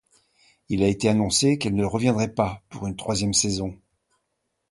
Il a été annoncé qu'elle ne reviendrait pas pour une troisième saison.